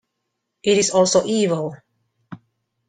It is also evil.